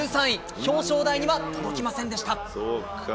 表彰台には届きませんでした。